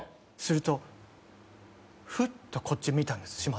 するとふっとこっち見たんです